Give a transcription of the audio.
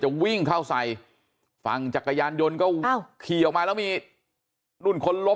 วิ่งเข้าใส่ฝั่งจักรยานยนต์ก็ขี่ออกมาแล้วมีนู่นคนล้ม